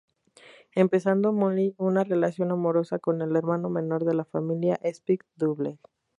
Empezando Molly una relación amorosa con el hermano menor de la familia, Spike Dudley.